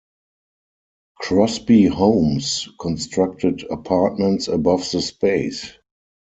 Crosby Homes constructed apartments above the space.